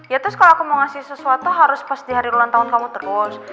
ya terus kalau aku mau ngasih sesuatu harus pas di hari ulang tahun kamu terus